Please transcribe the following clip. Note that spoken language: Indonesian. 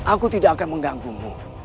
aku tidak akan mengganggumu